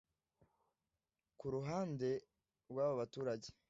Ku ruhande rw’aba baturage